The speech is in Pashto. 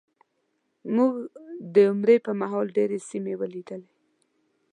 موږ د عمرې په مهال ډېرې سیمې ولیدې.